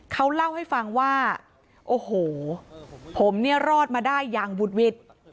เขาเล่าให้ฟังว่าโอ้โหผมเนี่ยรอดมาได้อย่างวุดวิด